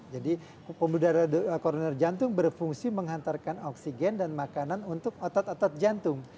jadi pembuluh darah koroner jantung berfungsi menghantarkan oksigen dan makanan untuk otot otot jantung